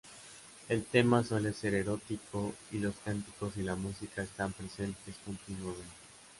El tema suele ser erótico y los cánticos y la música están presentes continuamente.